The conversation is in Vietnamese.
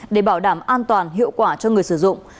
để bảo đảm an toàn hiệu quả cho người sử dụng